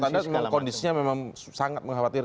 jadi memang menurut anda kondisinya memang sangat mengkhawatirkan